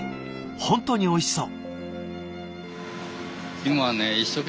本当においしそう。